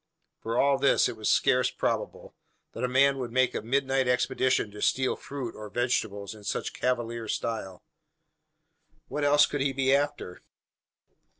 For all this, it was scarce probable, that a man would make a midnight expedition to steal fruit, or vegetables, in such cavalier style. What else could he be after?